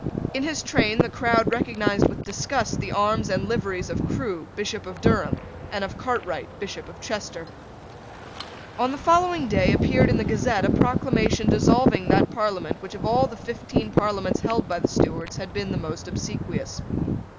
In his train the crowd recognised with disgust the arms and liveries of Crewe, Bishop of Durham, and of Cartwright, Bishop of Chester. On the following day appeared in the Gazette a proclamation dissolving that Parliament which of all the fifteen Parliaments held by the Stuarts had been the most obsequious.